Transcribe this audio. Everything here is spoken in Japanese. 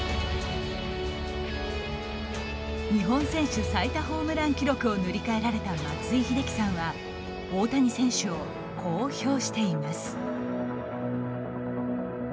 日本選手最多ホームラン記録を塗り替えられた松井秀喜さんは大谷選手をこう評しています。